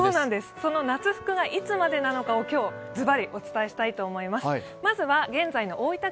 その夏服がいつまでなのかを今日、ズバリお伝えしたいと思います。